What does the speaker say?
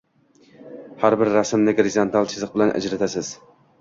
Har bir rasmni gorizontal chiziq bilan ajratasiz.